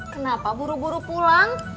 kenapa buru buru pulang